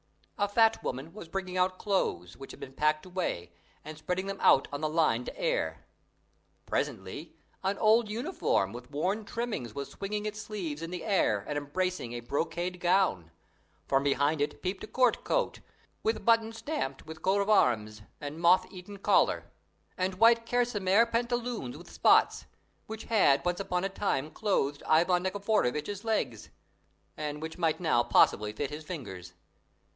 A fat woman was bringing out clothes, which had been packed away, and spreading them out on the line to air. Presently an old uniform with worn trimmings was swinging its sleeves in the air and embracing a brocade gown; from behind it peeped a court coat, with buttons stamped with coats of arms, and moth eaten collar; and white kersymere pantaloons with spots, which had once upon a time clothed Ivan Nikiforovitch's legs, and might now possibly fit his fingers.